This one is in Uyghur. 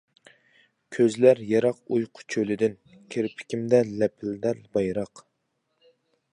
كۆزلەر يىراق ئۇيقۇ چۆلىدىن، كىرپىكىمدە لەپىلدەر بايراق.